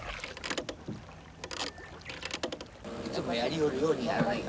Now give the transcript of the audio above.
いつもやりよるようにやらないかん。